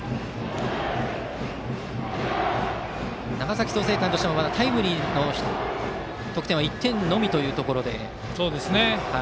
長崎・創成館としてもまだタイムリーでの得点は１点のみというところで。